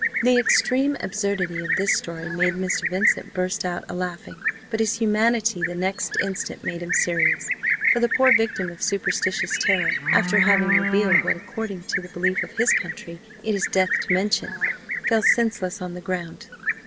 The extreme absurdity of this story made Mr. Vincent burst out a laughing; but his humanity the next instant made him serious; for the poor victim of superstitious terror, after having revealed what, according to the belief of his country, it is death to mention, fell senseless on the ground.